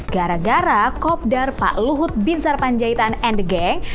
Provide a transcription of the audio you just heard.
gara gara kopdar pak luhut binsar panjaitan and the gang